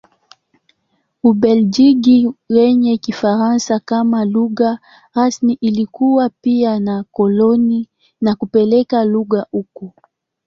Ubelgiji yenye Kifaransa kama lugha rasmi ilikuwa pia na koloni na kupeleka lugha huko.